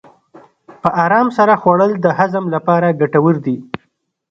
په ارام سره خوړل د هضم لپاره ګټور دي.